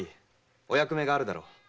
お役目があるだろう？